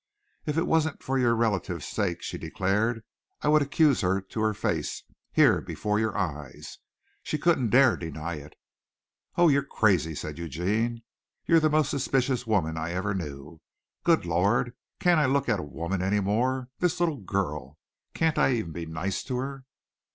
"If it wasn't for your relatives' sake," she declared, "I would accuse her to her face, here before your eyes. She couldn't dare deny it." "Oh, you're crazy," said Eugene. "You're the most suspicious woman I ever knew. Good Lord! Can't I look at a woman any more? This little girl! Can't I even be nice to her?"